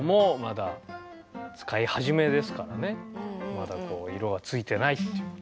まだ色はついてないっていう。